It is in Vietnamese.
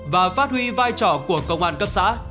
và phát huy vai trò của công an cấp xã